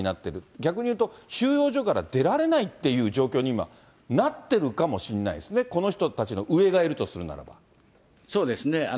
逆に言うと、収容所から出られないという状況に今、なってるかもしれないですね、この人たちの上がいるとするならそうですね。